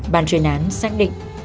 bàn truyền án xác định